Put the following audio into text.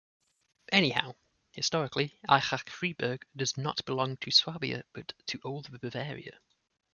Anyhow, historically Aichach-Friedberg does not belong to Swabia, but to Old Bavaria.